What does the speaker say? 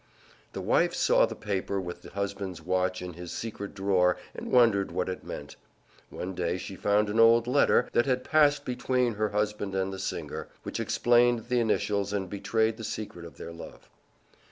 The wife saw the paper with her husband's watch in his secret drawer and wondered what it meant. One day she found an old letter, that had passed between her husband and the singer, which explained the initials and betrayed the secret of their love.